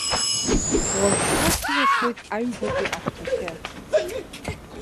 Уажәшьҭа сиасуеит аҩбатәи ахәҭахьы.